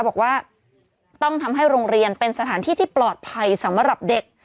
บอกว่าต้องทำให้โรงเรียนเป็นสถานที่ที่ปลอดภัยสำหรับเด็ก